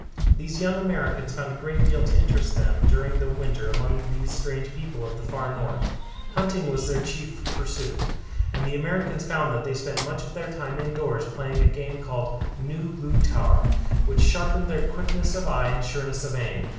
These young Americans found a great deal to interest them during the winter among these strange people of the far North. Hunting was their chief pursuit, and the Americans found that they spent much of their time indoors playing a game called Nu glew tar, which sharpened their quickness of eye and sureness of aim.